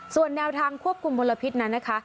ส่วนแนวทางควบคุมมลพิษนั้นนะคะ